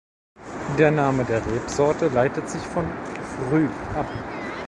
Der Name der Rebsorte leitet sich von „früh“ ab.